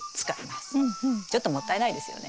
ちょっともったいないですよね。